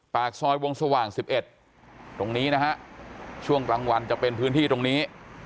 ปากซอยวงสว่าง๑๑ตรงนี้นะฮะช่วงกลางวันจะเป็นพื้นที่ตรงนี้